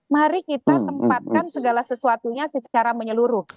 mari kita tempatkan segala sesuatunya secara menyeluruh